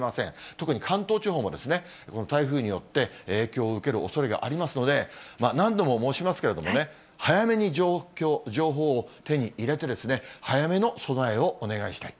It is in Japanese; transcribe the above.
特に関東地方もこの台風によって影響を受けるおそれがありますので、何度も申しますけれどもね、早めに情報を手に入れて、早めの備えをお願いしたい。